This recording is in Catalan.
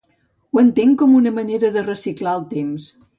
Ho entenc com una manera de reciclar el temps.